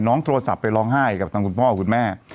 โทรศัพท์ไปร้องไห้กับทางคุณพ่อคุณแม่